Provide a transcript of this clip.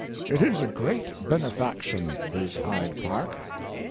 ] It is a great benefaction—is Hyde Park.